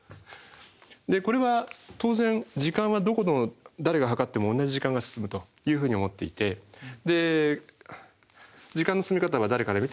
これは当然時間はどこの誰が計っても同じ時間が進むというふうに思っていて時間の進み方は誰から見ても同じと。